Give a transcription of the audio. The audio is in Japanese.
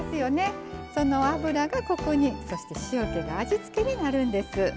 その脂がコクにそして塩気が味付けになるんです。